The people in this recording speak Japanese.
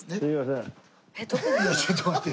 ちょっと待って。